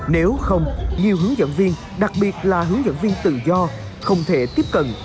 nếu không nhiều hướng dẫn viên đặc biệt là hướng dẫn viên tự do không thể tiếp cận